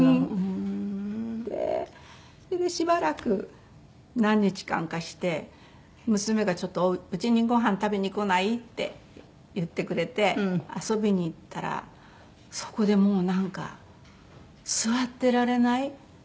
でしばらく何日間かして娘がちょっと「うちにご飯食べに来ない？」って言ってくれて遊びに行ったらそこでもうなんか座ってられなくなって。